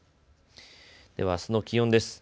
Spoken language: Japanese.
ではあすの気温です。